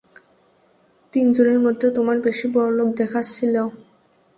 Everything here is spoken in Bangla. তিনজনের মধ্যে তোমায় বেশি বড়লোক দেখাচ্ছিলো।